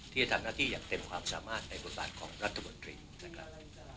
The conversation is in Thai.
ที่จะทำหน้าที่อย่างเต็มความสามารถในบทบาทของรัฐมนตรีนะครับ